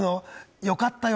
良かったよ